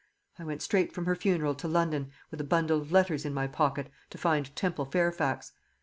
I went straight from her funeral to London, with a bundle of letters in my pocket, to find Temple Fairfax.